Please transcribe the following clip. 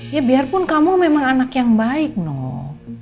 ya biarpun kamu memang anak yang baik nol